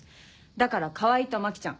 だから川合と牧ちゃん